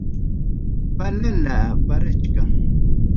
Balala parachkan.